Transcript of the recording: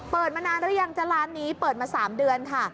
มานานหรือยังจ๊ะร้านนี้เปิดมา๓เดือนค่ะ